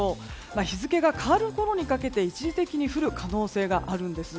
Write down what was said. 日付が変わるころにかけて一時的に降る可能性があるんです。